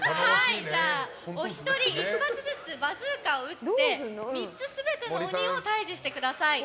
お一人１発ずつバズーカを打って３つ全ての鬼を退治してください。